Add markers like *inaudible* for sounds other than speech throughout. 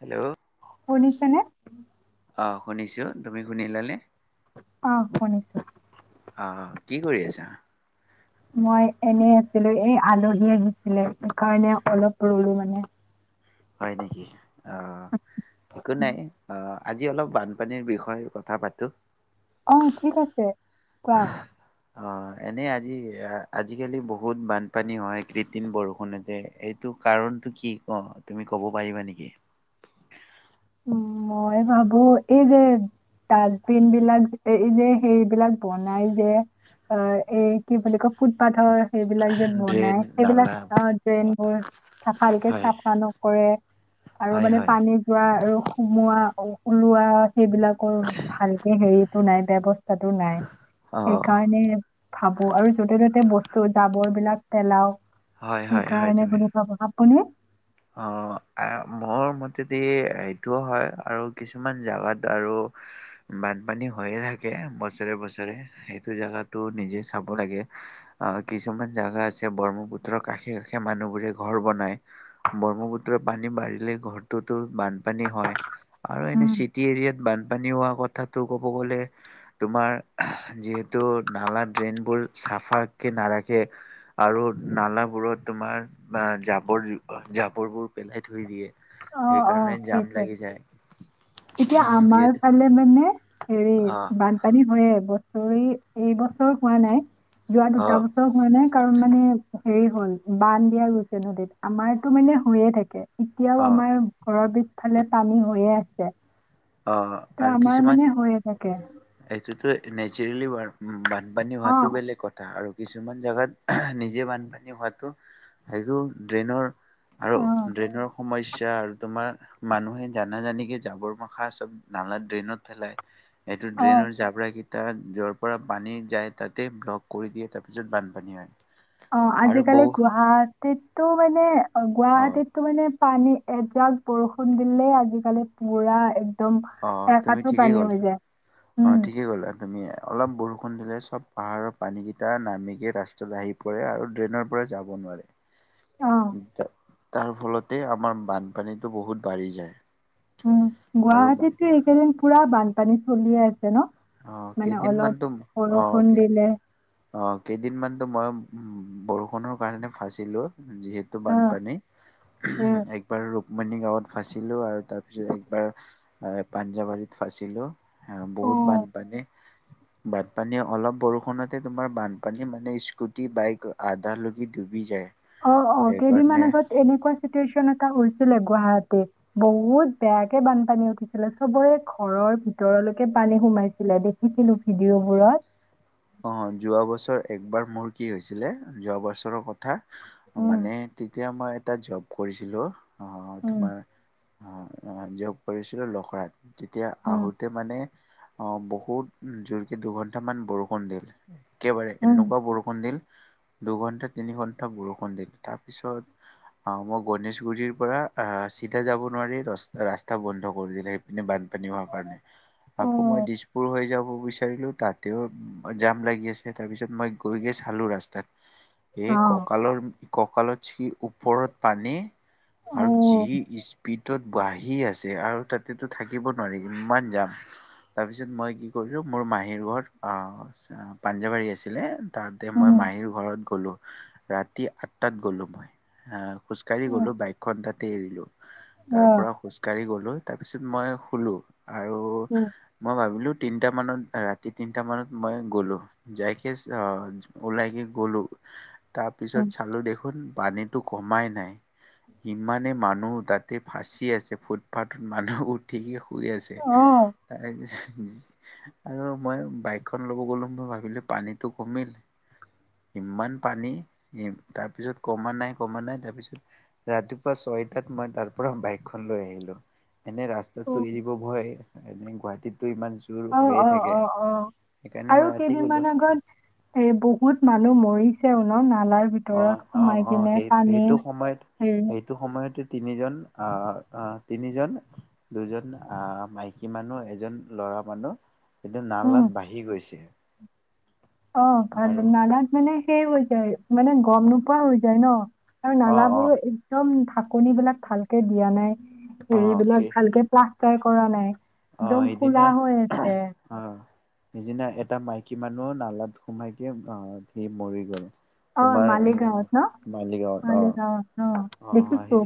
Hello শুনিছেনে? অ শুনিছোঁ। তুমি শুনিলানে? অ' শুনিছোঁ। অ'হ কি কৰি আছা? মই এনেই আছিলোঁ। এই আলহী আহিছিলে, সেইকাৰণে অলপ ৰলোঁ মানে। হয় নেকি অ' একো নাই, অ'হ আজি অলপ বানপানীৰ বিষয়ে কথা পাতোঁ। অ' ঠিক আছে। কোৱা। আহ এনে আজি, আজিকালি বহুত বানপানী হয়, কৃত্ৰিম বৰষুণ হৈছে, এইটো কাৰণটো কি ক? তুমি ক'ব পাৰিবা নেকি? উ! মই ভাবোঁ, এই যে ডাষ্টবিন বিলাক, যে, এই যে সেইবলাক বনাই যে অ এই কি বুলি কয়, ফুটপাথৰ সেইবিলাক যে ড্ৰেইন বনাই, সেইবিলাক নালা আহ ড্ৰেইনবোৰ চ' ভালকে হয় চাফা নকৰে আৰু হয় মানে হয় পানী যোৱা মোৱা *unintelligible* সেইবিলাকৰ ভালকে হেৰিতটো নাই অ ব্য ত' জাবৰ বিলাক পেলাও হয় সেইকাৰণে বুলি *unintelligible* কোনে? অহ অহ মোৰ মতেদি সেইটোও হয়, আৰু কিছুমান জাগাত আৰু বানপানী হৈয়ে থাকে বছৰে বছৰে। সেইটো জাগাতো নিজে চাব লাগে। আহ কিছুমান জাগা আছে ব্ৰহ্মপুত্ৰৰ কাষে কাষে মানুহবোৰে ঘৰ বনায় ব্ৰহ্মপুত্ৰ পানী বাঢ়িলে ঘৰটোতো বানপানী হয় আৰু এনে উম, চিটি এৰিয়াত বানপানী পানী হোৱা কথাটো ক'ব গলে তোমাৰ যিহেতু নালা ড্ৰেইনবোৰ চাফাকাকে নাৰাখে আৰু নালাবোৰত তোমাৰ বা জাবৰ জাবৰ বোৰ পেলাই থৈ দিয়ে অ অ সেইকাৰণে জাম সেইটোৱে লাগি যায়, এতিয়া আমাৰ যিহেতু ফালে মানে হেৰি অ বানপানী হয়ে, বস্ত এইবছৰ হোৱা নাই। যোৱা অ দুটা বছৰ হোৱা নাই কাৰণ মানে হেৰি হ'ল বান্ধ দিয়া গৈছে নদীত। আমাৰতো মানে হৈয়ে থাকে। এতিয়াও অ আমাৰ ঘৰৰ পিছফালে পানী হৈয়ে আছে। অ ত আৰু আমাৰ কিছুমান মানে হৈয়ে থাকে এইটোতো নেচুৰেলি বাৰ উ বানপানী অ হোৱাটো বেলেগ কথা আৰু কিছুমান জেগাত নিজে বানপানী হোৱাটো সেইটো ড্ৰেইনৰ আৰু অ ড্ৰেইনৰ সমস্যা আৰু তোমাৰ মানুহে জানাজানিকে যাবৰ মা খা চব নানা ড্ৰেইনত পেলাই। এইটো অ ড্ৰেইনৰ জাপৰা কেই তাত যৰ পৰা পানী যায়। তাতে ব্লক কৰি দিয়ে তাৰ পিছত বানপানী হয়। অ আৰু আজিকালি বহু গুৱাহাটীতো মানে। অ অ', গুৱাহাটীততো মানে পানী এজাক বৰষুণ দিলে আজিকালি পুৰা অ, তুমি একাঠো ঠিকেই পানী ক'ল, হৈ যায়। অ উম, ঠিকেই কলা তুমি। অলপ বৰষুণ দিলে চব পাহাৰৰ পানীকেইটা নামি কে ৰাস্তাত আহি পৰে আৰু ড্ৰেইনৰ পৰা যাব নোৱাৰে। অ', তাৰ ফলতে আমাৰ বানপানীটো বহুত বাঢ়ি যায়। উম আৰু বান গুৱাহাটীততো এইকেইদিন পুৰা বান পানী চলিয়ে আছে ন? অ মানে অলপ কেইদিনমানতো অ বৰষুণ অকে দিলে অ কেইদিনমানতো মই উ বৰষুণৰ কাৰণে ফাঁচিলো। যিহেতু অ', বানপানী অ', একবাৰ মনি গাঁৱত ফাছিলো আৰু। তাৰ পিছত একবাৰ পাঞ্জাবাৰীত ফাঁচিলো। আহ বহুত অ', বানপানী। বানপানী অলপ বৰষুণত তে তোমাৰ বানপানী মানে স্কুটি, বাইক আধা লগি ডুবি যায়। অ অ সেইকাৰণে কেইদিনমান আগত এনেকুৱা চিটুৱেশচন এটা উছিলে গুৱাহাটীত। বহুত বেয়াকে বানপানী উঠিছিলে। চবৰে ঘৰৰ ভিতৰলৈকে পানী সোমাইছিলে, দেখিছিলো ভিডিঅ'বোৰত। অ যোৱা বছৰ একবাৰ মোৰ কি হৈছিলে। যোৱা বছৰৰ কথ থা উম, মানে তেতিয়া মই এটা জব কৰিছিলো। অ উম। তোমাৰ অ যব কৰিছিলো লখৰাত। তেতিয়া আহোতে মানে অ বহুত জোৰকে দুঘন্টামান বৰষুণ কণডিল। একেবাৰে এনেকুৱা বৰষুণ দিল। দুঘন্টা তিনি ঘন্টা বৰষুণ দিল। তাৰ পিছত আহ মই গনেশগুৰিৰ পৰা আহ চিধা যাব নোৱাৰিস ৰাস্তা বন্ধ কৰি দিলে। সেইপিনে বান কাৰণে আকৌ মই দিছপুৰ হৈ যাব বিচাৰো। বিচাৰিলো তাতেও। জাম লাগি আছে। তাৰ পিছত মই গৈ গৈ চালো ৰাস্তাত। এই কঁকালৰ। কঁকালচি ওপৰত পানী। আৰু যি স্পীড। ত'ত বহী আছে আৰু তাতেতো থাকিব নোৱাৰি ইমান যাম তাৰপিছত মই কি কৰিলোঁ মোৰ মাহীৰ ঘৰত অ পাঞ্জাৱাৰী আছিলে তাতে মই মাহীৰ ঘৰত গ'লোঁ ৰাতি আঠটাত গলো মই আহ খোজকাঢ়ি গলো বাইকখন তাত তাতে এৰিলো তাৰ পৰা খোজ কঢ়ি গলোঁ তাৰপিছত মই শলো আৰু মই ভাবিলো তিনিটা মানত ৰাতি তিনিটা মানত মই গ'লো যাইকে আহ ওলাই কে গলো তাৰপিছত চালো দেখোন পানী তো কমাই নাই ইমানে মানুহ তাতে ফাঁচি আছে ফুটপাথত মানুহ উঠি শুই আছে মানে আৰু মই বাইক লব গলো মই ভাবিলো পানীতটো কমিল ইমান পানী তাৰপিছত কমা নাই কমা নাই তাৰ পিছত ৰাতিপুৱা ছয়টাত মই তাৰ পৰা বাইকখন লৈ আহিলো এনে ৰাস্তাতটো এৰিব ভয় এনে গুৱাহাটীত ইমান জোৰ অ হৈয়ে অ থাকে অ অ সেইকাৰণে মই আৰু ৰাতি গ'লো কেইদিনমান আগত এ বহুত মানুহ মৰি পিছে শুনক না অ অ অ সেই সেইটো সময়ত হেৰি সেইটো সময়তে তিনিজন আহ তিনিজন দুজন আহ মাইকী মানুহ এজন ল'ৰা মানুহ কিন্তু উম নালাত বাঢ়ি গৈছে। অ ভাল আৰু নালাত মানে থিকেই কৈছে আৰু মানে গম নোপোৱা হৈ যায় ন আৰু অ অ নালাবোৰো একদম আপোনি বোলে ভালকে দিয়া অ নাই অ এইবিলাক ভালকে পোৱা কল কৰা নাই অ একদম খোলা সেদিনা হৈ আছে অ সেদিনা এটা মাইক কিমানো নালাত সোমাই মৰি গ'ল অ তোমাৰ এই মালিগাঁৱত ন মালিগাঁৱত অ মালিগাঁৱত অ দেখিছো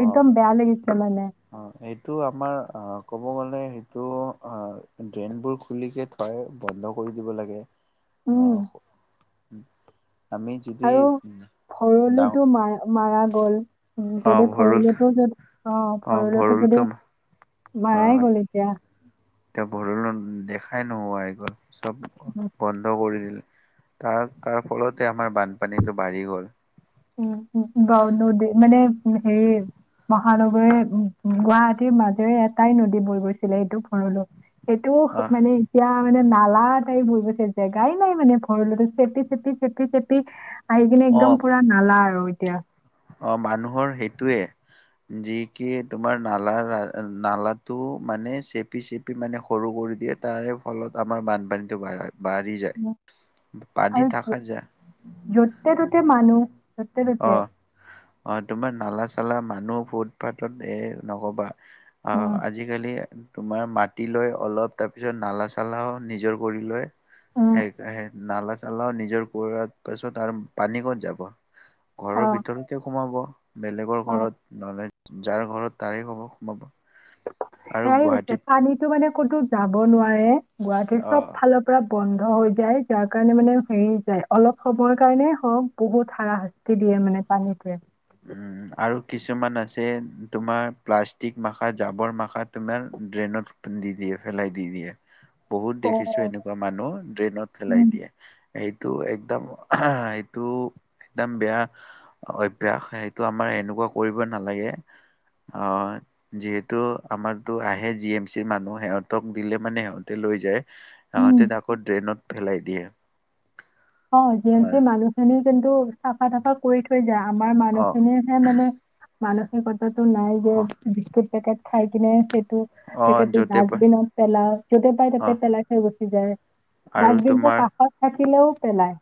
অ একদম বেয়া লাগিছে মানে অ এইটো আমাৰ অ ক'ব গ'লে সেইটো অ ড্ৰেইনবোৰ খুলি যে থয় বন্ধ কৰি দিব লাগে উম আহ ওম *inaudible* আৰু ভৰলোটো মাৰ মাৰা গ'ল অ যদি ভৰুল ভৰলোটো অ অ ভৰলো ভৰুলটো যদি মাৰাই গ'ল এতিয়া এয়া ভৰলো দেখাই নোহোৱাই চব উম, বন্ধ কৰি দিলে তাৰ তাৰ ফলতে আমাৰ বানপানীতটো বাঢ়ি গ'ল উ বা নদী মানে হেৰি মহানগৰ উ গুৱাহাটীৰ মাজেৰে এটাই নদী বৈ গৈছিলে এইটো ভৰলো এইটো আহ মানে এতিয়া মানে নালা তাই বছে জেগাই নাই মানে ভৰতো চেপি চেপি চেপি চেপি আহি কিনে অ একদম নালা আৰু এতিয়া অ মানুহৰ সেইটোয়ে যি কি তোমাৰ নালা নালাটো মানে চেপি চেপি মানে সৰু কৰি দিয়ে তাৰে ফলত আমাৰ বানপানীতটো বাঢ়া হয় বাঢ়ি উম, যায় পানী আৰু থাকাত যায় য'তে ত'তে মানুহ যতে অ ততে মানুহ অ তোমাৰ নালা চালা মানুহ ফুটপাথত এ নকবা অ অঁ আজিকালি তোমাৰ মাটি লৈ অলপ তাৰ পিছত নালা চালাও নিজৰ কৰি লৈ হেই হেই নালাত নালাও নিজৰ কাৰা পাছত আৰু পানী কত যাব ঘৰৰ ভিতৰতে সোমাব বেলেগৰ অঁ ঘৰত নহ'লে যাৰ ঘৰত তাৰে হ'ব, সোমাব। আৰু সেয়াই হৈছে গুৱাহাটীত পানীটো মানে ক'তো যাব নোৱা ৰে গুৱাহাটীৰ চব অ' ফালৰ পৰা বন্ধ হৈ যায় উম, আৰু *unintelligible* কিছুমান আছে তোমাৰ প্লাষ্টিক মাখা, জাবৰ মাখা তোমাৰ ড্ৰেইনত দি দিয়ে, পেলাই দি দিয়ে। বহুত দেখিছো অঁ এনেকুৱা মানুহ ড্ৰেইনত ফেলাই দিয়ে। এইটো একদম এইটো একদম বেয়া অ ভ্যাস সেইটো আমাৰ এনেকুৱা কৰিব নালাগে। অ যিহেতু আমাৰতো আহে জি এম চিৰ মানুহ সিহঁতক দিলে মানে সিহঁতে লৈ যায়। তাহতে তাকো ড্ৰেইনত পেলাই দিয়ে। অ জি এম হয় চিৰ মানুহখিনি কিন্তু চাফা তাফা কৰি থৈ যা আমাৰ মানুহ অ' খিনিহে মানে মানসিকতা টো নাই যে অ' বি পেকেট খাই কিনে টো অ পেকেটটো য'তে প ডাষ্টবিনত পেলা, যতে পায় তাতে অ' পেলাই থৈ গ- কি যায়। আৰু ডাষ্টবিনটো তোমাৰ কাষত থা- হিল্লোপ পেলায়',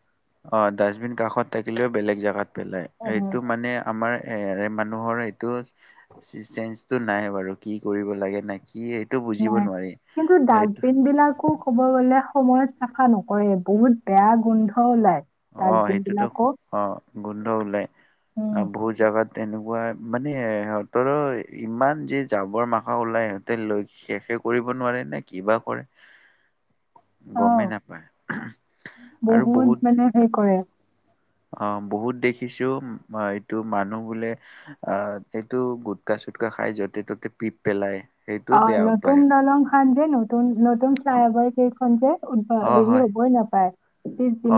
অ ডাষ্টবিন কাষত থাকিলেও বেলেগ জাগাত পেলায়, উম, এইটো মানে আমাৰ এ ইয়াৰে মানুহৰ এইটো', চি চেনচ্ সেইটো নাই বাৰু কি কৰিব লাগে নেক্সট্', কি সেইটো বুজিব নাই। নোৱাৰি কিন্তু এইটো ডাষ্টবিনবিলাকো ক'ব গলে সময়ত চাফা নকৰে বহুত বেয়া গোন্ধ ওলায়। অ সেইটোতো, ডাষ্টবিনবিলাকো। অ গোন্ধ ওলায়, উম। আহ বহুত জাগাত তেনেকুৱা মানে সিহঁতৰো ইমান যে জাবৰ মাখা ওলাই সিহঁতে লৈ শেষে কৰিব নোৱাৰে নে কিবা কৰে? গমেই অ', নাপায় আৰু বহুত মানে হেৰি কৰে', *inaudible* অ বহুত দেখিছো এইটো মানুহ বোলে অ এইটো গুটকা- চুটকা খাই য'তে ত'তে পিত পেলায়। অ', নতুন দলং খন', যে নত নতুন নতুন ফ্লাই অভাৰ কেইখন যে উ্ভ অ হেৰি হয় হবই নাপায়,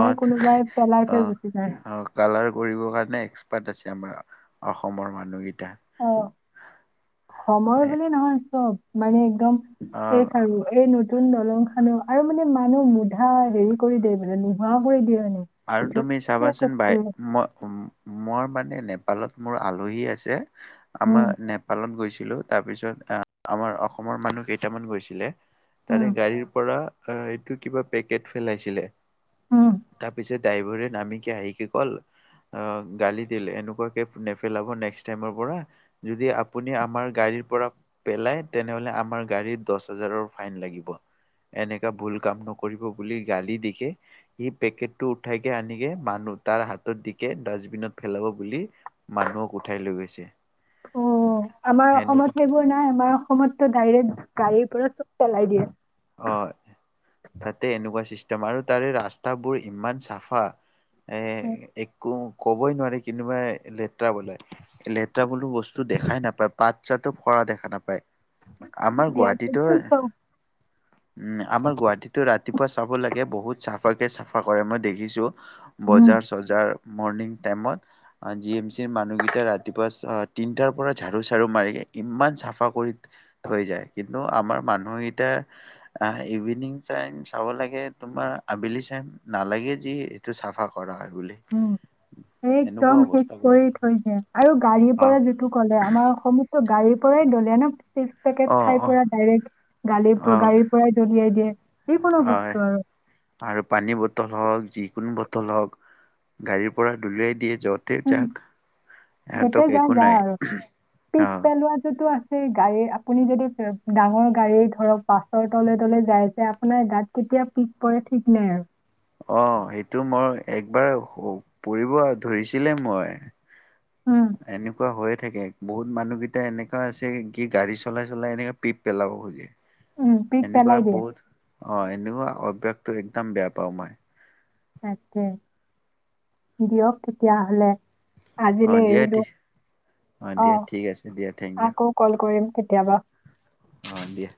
অ কোনোবাই পেলাই থৈ গুচি যায়। পাতে আছে আমাৰ অসমৰ মানুহকেই অহ। সময় এ, বুলি নহয়, চব মানে একদম সেই অ খাৰু, এই ন নতুন দলং খানো আৰু মানে মানুহ মুধা হেৰি কৰি দিয়ে বোলে নোহোৱা কৰি দিয়ে মানে। আৰু তুমি য'তে চাবাচোন বাই ত'তে ম মই মানে এ নেপালত মোৰ আলহী আছে আমাৰ উম নেপালত গৈছ ছিলো তাৰপিছত আহ আমাৰ অসমৰ মানুহ কেইটামান গৈছিলে তাৰে উম গাড়ীৰ পৰা অ এইটো কিবা পেকেট ফেলাইছিলে। হম। তাৰপিছে ড্ৰাইভাৰে নাম আহিকে কল, গালি দিলে এনেকুৱা কে নেপেলাব নেকষ্ট টাইৰ পৰা। যদি আপুনি আমাৰ গাড়ীৰ পৰা পেলাই তেনেহলে আমাৰ গাড়ী দছ হাজাৰৰ ফাইন লাগিব, এনেকা ভুল কাম নকৰিব বুলি গালি দি হে পেকেটটো উঠাইকে আনিকে মানুহ তাৰ হাতত দিকে ডাষ্টবিনত ফেলাব বুলি মানুহক উঠাই লৈ গৈছে। অ অ অ! আমাৰ সেনেকুৱা অসমত সেইবোৰ নাই আমাৰ অস অসমততো ডাইৰেক্ট গাড়ীৰ পৰা চব পেলাই দিয়ে। অ তাতে *unintelligible* তাৰে ৰাস্তাবোৰ ইমান চাফা এ একো কবই নোৱাৰি কোনোবা লেত্ৰা বোলে। লেত্ৰা বোলো বস্তু দেখাই নাপায় পাত চাতো সৰা দেখা নাপায়। আমাৰ গুৱাহাটীতো ইয়াততো চব উম আমাৰ গুৱাহাটীতো ৰা ৰাতিপুৱা চাব লাগে বহুত চাফাকে চাফা কৰে মই দেখিছোঁ উম বজাৰ চজাৰ মৰ্ণিং টাইমত আ জি এম চিৰ মানুহকেইটা ৰাতিপুৱা তিনটাৰ পৰা ঝাৰু চাৰু মাৰি ইমান চাফা কৰি থৈ যায় কিন্তু আমাৰ মানুহকেইটা আহ ইভিনিং টাইম চাব লাগে তোমাৰ আবেলি টাইম নালাগে যি এইটো চাফা কৰা হয় বুলি উম এনেকুৱা একদম শেষ অৱস্থা কৰি থৈ যায় আৰু গাড়ীৰ অ', পৰা যিটো ক'লে আমাৰ অসমতো গাড়ীৰ পৰাই দলিয়াই ন চিপচ পেকেট অ', খাই অ', পুৰা ডাইৰেক্ট গাল অ', গাড়ীৰ পৰাই দলিয়াই দিয়ে যি কোনো হয়। বস্তু আৰু আৰু পানী বটল হওক যিকোনো বটল হওঁক গাড়ীৰ পৰা দলিয়াই দিয়ে যতে উম, যাক য'তে সিহঁতক যা একো যা নাই আৰু। উমহ অহ গাড়ী আপুনি যদি ডাঙৰ গাড়ী ধৰক বাচৰ তলে তলে যাই যে আপোনাৰ গাত কেতিয়া পিক পৰে ঠিক নাই আৰু অ সেইটো মই একবাৰ পৰিব ধৰিছিলে মই উম, এনেকুৱা হৈয়ে থাকে বহুত মানুহকেইটা এনেকুৱা আছে কি গাড়ী চলাই চলাই এনেকে পিক পেলাব খোজে উম, পিক এনেকুৱা পেলাই দিয়ে। বহুত অ এনেকুৱা অভ্যাস টো একদম বেয়া পাওঁ মই তাকে দিয়ক তেতিয়াহলে অ', আজিলৈ দিয়া এৰিলো ঠিক অ দিয়া ঠিক আছে দিয়া থেংক ইউ আকৌ কল কৰিম কেতিয়াবা অ এ দিয়া